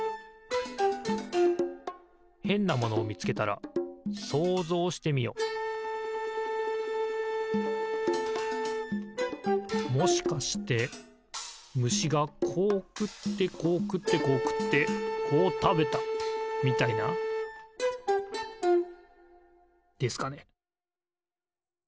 へんなものをみつけたら想像してみよもしかしてむしがこうくってこうくってこうくってこうたべたみたいな？ですかね